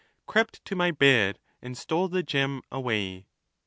Crept to my bed, and stole the gem away.